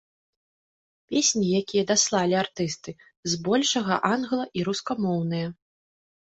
Песні, якія даслалі артысты, збольшага англа- і рускамоўныя.